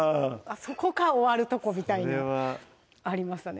それか終わるとこみたいなありましたね